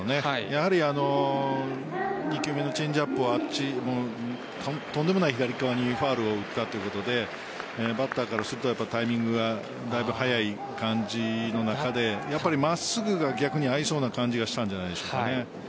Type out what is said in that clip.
やはり２球目のチェンジアップはとんでもない左側にファウルを打ったということでバッターからするとタイミングがだいぶ早い感じの中で真っすぐが逆に合いそうな感じがしたんじゃないでしょうかね。